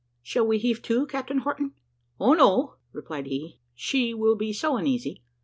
"Shall we heave to, Captain Horton?" "O no," replied he, "she will be so uneasy.